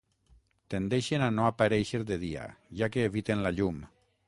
Tendeixen a no aparèixer de dia, ja que eviten la llum.